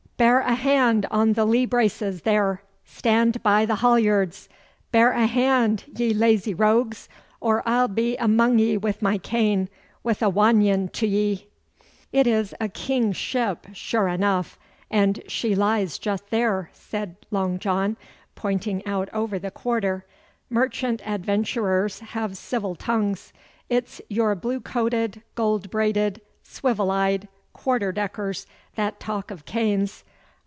'Bear a hand on the lee braces, there! Stand by the halliards! Bear a hand, ye lazy rogues, or I'll be among ye with my cane, with a wannion to ye!' 'It is a King's ship, sure enough, and she lies just there,' said Long John, pointing out over the quarter. 'Merchant adventurers have civil tongues. It's your blue coated, gold braided, swivel eyed, quarter deckers that talk of canes.